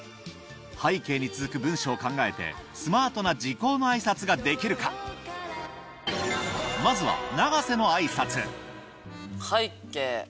「拝啓」に続く文章を考えてスマートな時候の挨拶ができるかまずは「拝啓。